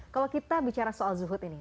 kalau kita bicara soal zuhud ini